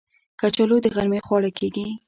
کچالو د غرمې خواړه کېږي